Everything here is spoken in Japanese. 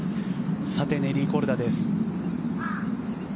さて、ネリー・コルダです。